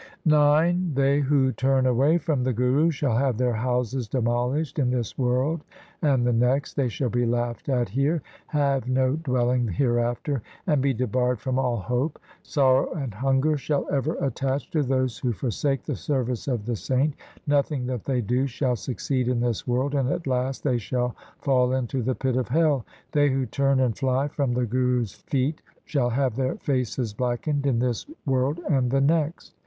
IX They who turn away from the Guru Shall have their houses demolished in this world and the next. They shall be laughed at here, have no dwelling hereafter. COMPOSITIONS OF GURU GOBIND SINGH 305 And be debarred from all hope. Sorrow and hunger shall ever attach to those Who forsake the service of the Saint. Nothing that they do shall succeed in this world, And at last they shall fall into the pit of hell. They who turn and fly from the Guru's feet, Shall have their faces blackened in this world and the next.